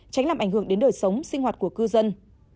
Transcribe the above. tránh làm ảnh hưởng đến đời sống sinh hoạt của cư dân